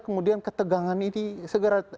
kemudian ketegangan ini segera